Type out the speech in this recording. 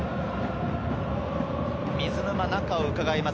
水沼は中をうかがいます。